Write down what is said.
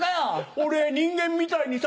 俺人間みたいにさ